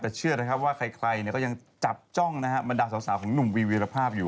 แต่เชื่อนะครับว่าใครก็ยังจับจ้องนะฮะบรรดาสาวของหนุ่มวีวีรภาพอยู่